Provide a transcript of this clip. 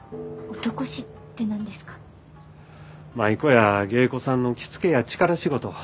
舞妓や芸妓さんの着付けや力仕事